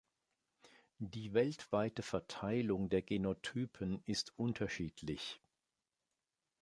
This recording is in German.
Die weltweite Verteilung der Genotypen ist unterschiedlich.